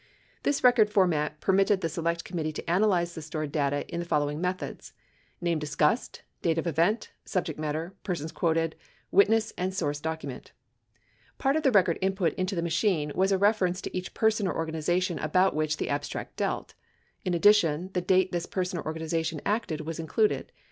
This record format permitted the Select Committee to analvze the stored data in the following methods: name discussed, date of event, subject matter, persons quoted, witness, and source document. Part of the record input into the machine was a reference to each person or organization about which the abstract dealt. In addition, the date this person or organization acted was included.